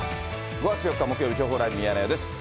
５月４日木曜日、情報ライブミヤネ屋です。